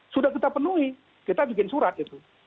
sudah kita penuhi kita bikin surat itu